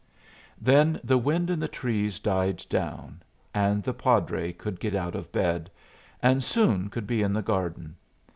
Then the wind in the trees died down, and the padre could get out of bed, and soon could be in the garden.